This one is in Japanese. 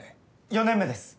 ４年目です。